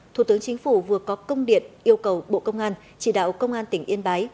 thủ tướng chính phủ vừa có công điện yêu cầu bộ công an chỉ đạo công an tỉnh yên bái